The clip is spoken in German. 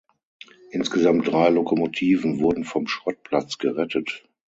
Insgesamt drei Lokomotiven wurden vom Schrottplatz gerettet.